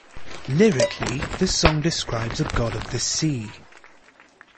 Lyrically, the song describes a god of the sea.